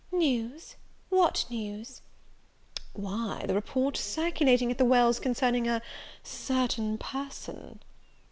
"News! what news?" "Why, the report circulating at the Wells concerning a certain person."